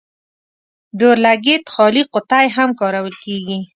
د اور لګیت خالي قطۍ هم کارول کیږي.